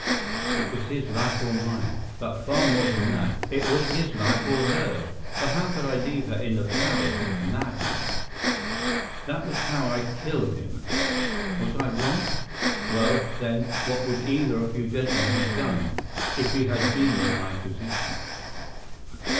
It was his life or mine, but far more than that, it was his life or hers, for how could I leave her in the power of this madman? That was how I killed him. Was I wrong? Well, then, what would either of you gentlemen have done, if you had been in my position?